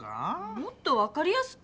もっとわかりやすく？